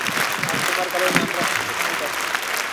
আর তোমার কারণে আমরা এখন সেখানেই যাচ্ছি।